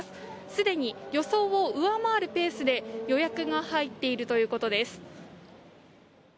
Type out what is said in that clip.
すでに予想を上回るペースで予約が入っているということです。